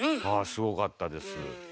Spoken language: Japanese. すごかったです。